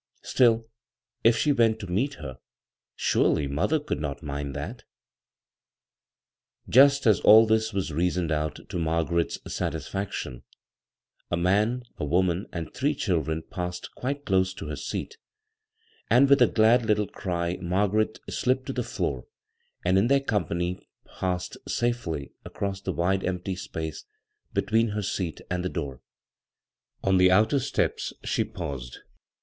StiH, if she went to meet her, surely mother OMild not mind that I Just as all this was reasoned out to Mar* garet's satisfaction, a man, a wCHnan, and three children passed quite close to her seat ; and with a glad little cry Margaret slipped to the floor, and in their company passes safely ajoss the wide empty space between her seat and the door. On the outer steps she paused.